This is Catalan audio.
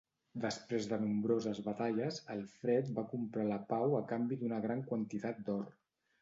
Després de nombroses batalles, Alfred va comprar la pau a canvi d'una gran quantitat d'or.